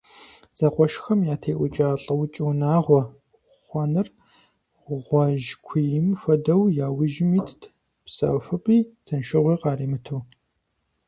Зэкъуэшхэм ятеӀукӀа «лӀыукӀ унагъуэ» хъуэныр гъуэжькуийм хуэдэу, я ужьым итт, псэхупӀи тыншыгъуи къаримыту.